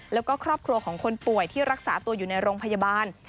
แล้วก็ครอบครัวของคนป่วยที่รักษาตัวอยู่ในโรงพยาบาล